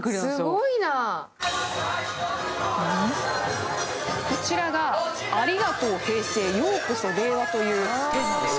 すごいなこちらが「ありがとう平成、ようこそ令和！」というテーマなんですよ